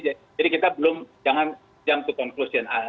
jadi kita belum jangan jump to conclusion